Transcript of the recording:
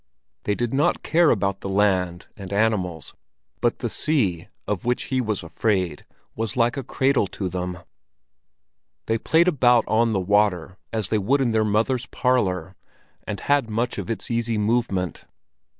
They did not care about the land and animals, but the sea, of which he was afraid, was like a cradle to them. They played about on the water as they would in their mother's parlor, and had much of its easy movement.